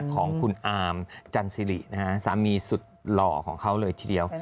ของคุณอามจันสิรินะฮะสามีสุดหล่อของเขาเลยทีเดียว